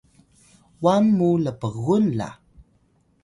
wa mu lpgun la